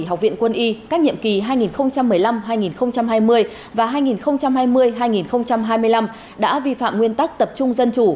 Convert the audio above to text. học viện quân y các nhiệm kỳ hai nghìn một mươi năm hai nghìn hai mươi và hai nghìn hai mươi hai nghìn hai mươi năm đã vi phạm nguyên tắc tập trung dân chủ